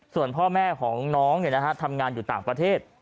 ส่วนพ่อแม่ของน้องทำงานอยู่ต่างประเทศ